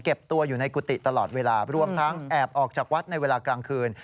ตัวอยู่ในกุฏิตลอดเวลารวมทั้งแอบออกจากวัดในเวลากลางคืน